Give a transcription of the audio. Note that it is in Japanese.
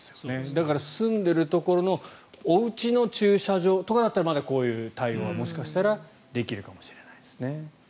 だから、住んでいるところのおうちの駐車場とかだったらまだこういう対応はもしかしたらできるかもしれないですね。